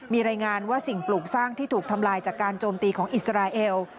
มีรายงานว่าสิ่งปลูกสร้างที่ถูกทำลายจากการโจมตีของอิสราเอล